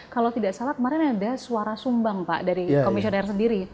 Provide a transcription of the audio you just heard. kalau tidak salah kemarin ada suara sumbang pak dari komisioner sendiri